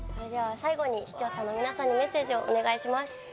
最後に視聴者の皆さんにメッセージをお願いします。